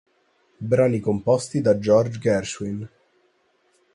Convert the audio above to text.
Brani composti da George Gershwin.